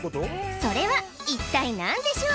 それは一体何でしょう？